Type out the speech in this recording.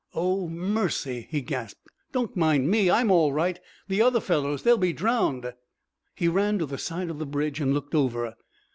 "Oh, mercy!" he gasped. "Don't mind me. I'm all right. The other fellers they'll be drowned!" He ran to the side of the bridge and looked over.